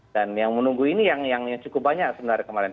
dan yang menunggu ini yang cukup banyak sebenarnya kemarin